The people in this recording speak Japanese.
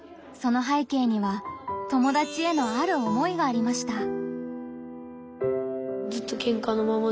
その背景には友達へのある思いがありました。